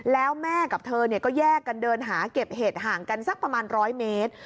แล้วแม่กับเธอก็แยกกันเดินหาเก็บเห็ดห่างกันสักประมาณ๑๐๐เมตร